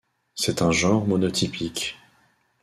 C'est un genre monotypique.